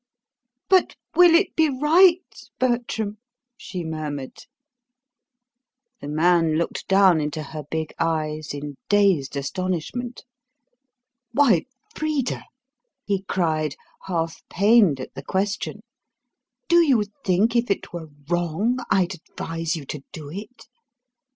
"But will it be RIGHT, Bertram?" she murmured. The man looked down into her big eyes in dazed astonishment. "Why, Frida," he cried, half pained at the question, "do you think if it were WRONG I'd advise you to do it?